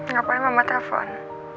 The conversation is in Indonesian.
ngapain mama telfon